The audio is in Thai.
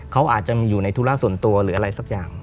เขาอาจจะมีอยู่ในธุระส่วนตัวหรืออะไรสักอย่าง